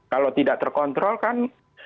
kalau tidak terkontrol kan